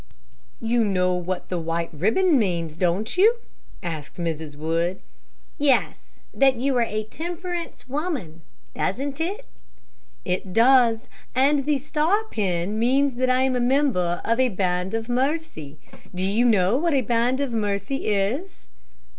"You know what the white ribbon means, don't you?" asked Mrs. Wood. "Yes; that you are a temperance woman, doesn't it?" "It does; and the star pin means that I am a member of a Band of Mercy. Do you know what a Band of Mercy is?"